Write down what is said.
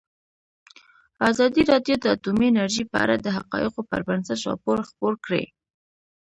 ازادي راډیو د اټومي انرژي په اړه د حقایقو پر بنسټ راپور خپور کړی.